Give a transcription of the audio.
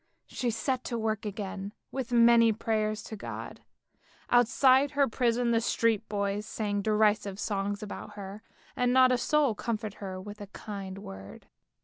She set to work again with many prayers to God. Outside her prison the street boys sang derisive songs about her, and not a soul comforted her with a kind word.